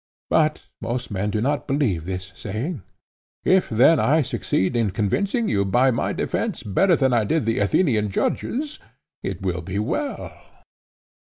But most men do not believe this saying; if then I succeed in convincing you by my defence better than I did the Athenian judges, it will be well.